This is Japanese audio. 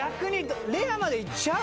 レアまでいっちゃう？